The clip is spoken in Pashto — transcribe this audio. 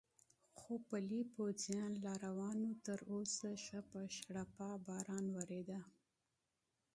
خو پلی پوځیان لا روان و، تراوسه ښه په شړپا باران ورېده.